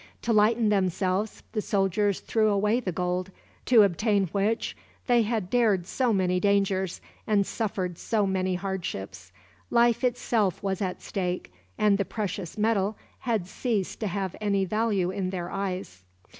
To lighten themselves, the soldiers threw away the gold, to obtain which they had dared so many dangers, and suffered so many hardships. Life itself was at stake, and the precious metal had ceased to have any value in their eyes.